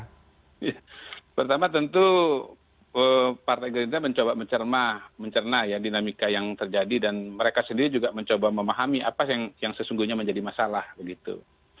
ya pertama tentu partai gerindra mencoba mencermah mencerna ya dinamika yang terjadi dan mereka sendiri juga mencoba memahami apa yang sesungguhnya menjadi masalah begitu